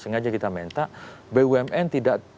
sengaja kita minta bumn tidak